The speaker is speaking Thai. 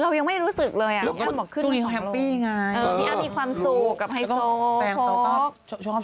เรายังไม่รู้สึกเลยยังไม่ขึ้น